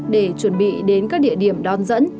để chuẩn bị đến các địa điểm đón dẫn